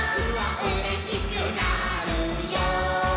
「うれしくなるよ」